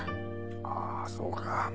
あぁそうか。